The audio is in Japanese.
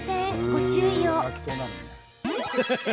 ご注意を。